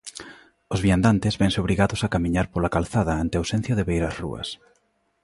Os viandantes vense obrigados a camiñar pola calzada ante a ausencia de beirarrúas.